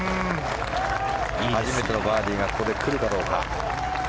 初めてのバーディーがここで来るかどうか。